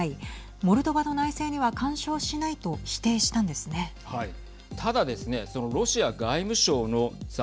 モルドバの内政には干渉しないと否定したんですね。